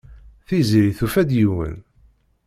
Tiziri tufa-d yiwen.